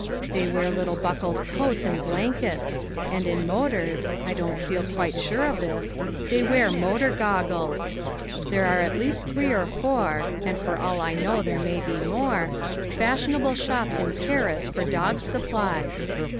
They wear little buckled coats and blankets, and in motors, I don't feel quite sure of this, they wear motor goggles. There are at least three or four and for all I know there may be more fashionable shops in Paris for dogs' supplies.